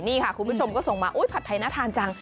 นี่ค่ะคุณผู้ชมก็ส่งมาผัดไทยน่าทานจัง